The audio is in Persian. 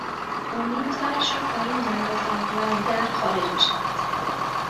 امید سرش را پائین می اندازد و از در خارج می شود